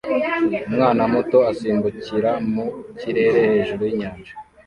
Umwana muto asimbukira mu kirere hejuru y'inyanja